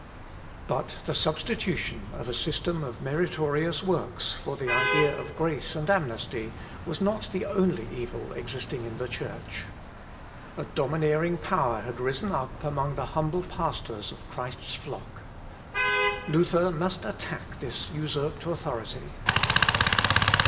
] But the substitution of a system of meritorious works for the idea of grace and amnesty was not the only evil existing in the Church. A domineering power had risen up among the humble pastors of Christ's flock. Luther must attack this usurped authority.